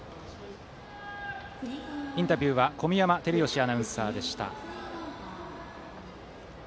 インタビューは小宮山晃義アナウンサーでした。